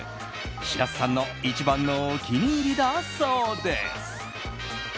白洲さんの一番のお気に入りだそうです。